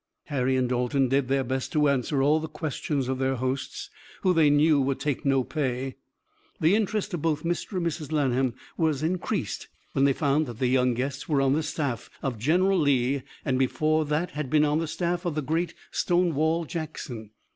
Harry and Dalton did their best to answer all the questions of their hosts, who they knew would take no pay. The interest of both Mr. and Mrs. Lanham was increased when they found that their young guests were on the staff of General Lee and before that had been on the staff of the great Stonewall Jackson.